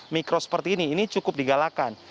mikro seperti ini ini cukup digalakan